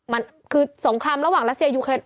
มันคือสงครามระหว่างรัสเซียยูเครน